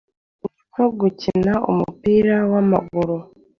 ninko gukina umupira wamaguru